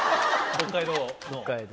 北海道の。